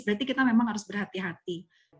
berarti kita memang harus berhati hati